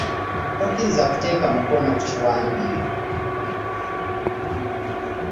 Tokkiriza kuteeka Mukono kubiwaandiika nga tobisomyemu.